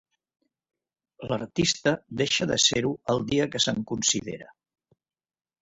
L'artista deixa de ser-ho el dia que se'n considera.